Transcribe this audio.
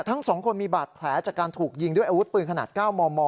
ทั้ง๒คนมีบาดแผลจากการถูกยิงด้วยอาวุธปืนขนาด๙มม